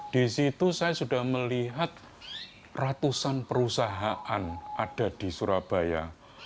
di situ saya sudah melihat ratusan perusahaan ada di surabaya